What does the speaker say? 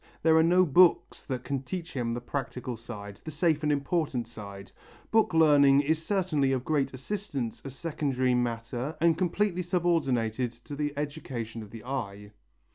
There are no books that can teach him the practical side, the safe and important side. Book learning is certainly of great assistance as secondary matter and completely subordinated to the education of the eye.